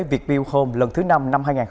việt build home lần thứ năm năm hai nghìn hai mươi